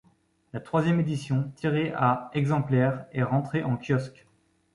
La troisième édition, tirée à exemplaires, est rentrée en kiosque.